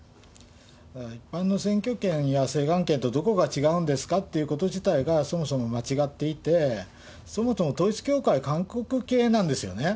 一般の選挙権や請願権とどこが違うんですかっていうこと自体が、そもそも間違っていて、そもそも統一教会、韓国系なんですよね。